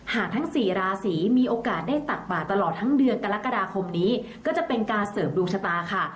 ทั้ง๔ราศีมีโอกาสได้ตักบาทตลอดทั้งเดือนกรกฎาคมนี้ก็จะเป็นการเสริมดวงชะตาค่ะ